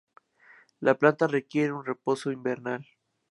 La planta requiere un reposo invernal.